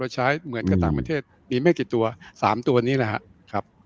ใช้เหมือนกับต่างประเทศมีไม่กี่ตัว๓ตัวนี้แหละครับ